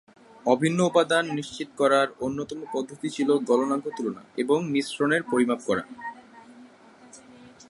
অভিন্ন উপাদান নিশ্চিত করার অন্যতম পদ্ধতি ছিল গলনাঙ্ক তুলনা এবং মিশ্রণের পরিমাপ করা।